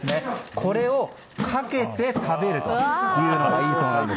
これをかけて食べるというのがいいそうです。